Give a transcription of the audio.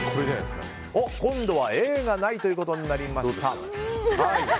今度はＡがないということになりました。